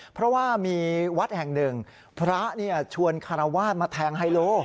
เพราะว่ามีวัดแห่งหนึ่งพระชวนคารวาสมาแทงไฮโล